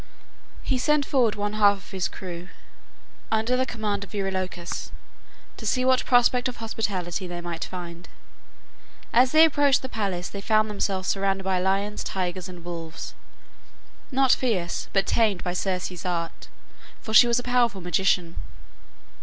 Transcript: He sent forward one half of his crew, under the command of Eurylochus, to see what prospect of hospitality they might find. As they approached the palace, they found themselves surrounded by lions, tigers, and wolves, not fierce, but tamed by Circe's art, for she was a powerful magician.